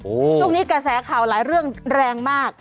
ช่วงนี้กระแสข่าวหลายเรื่องแรงมาก